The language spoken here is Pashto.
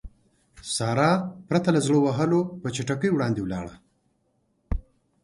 سارا پرته له زړه وهلو په چټکۍ وړاندې ولاړه.